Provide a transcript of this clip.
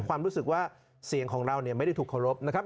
ความรู้สึกว่าเสียงของเราไม่ได้ถูกเคารพนะครับ